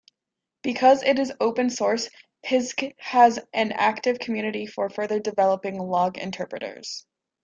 Because it is open-source, pisg has an active community for further developing log interpreters.